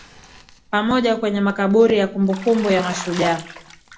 pamoja kwenye makaburi ya kumbukumbu ya mashujaa